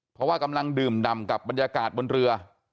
เพราะว่ากำลังดื่มดำกับบรรยากาศบนเรือ